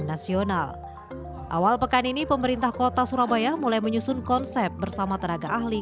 nasional awal pekan ini pemerintah kota surabaya mulai menyusun konsep bersama tenaga ahli